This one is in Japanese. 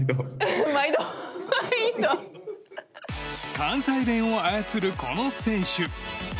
関西弁を操るこの選手。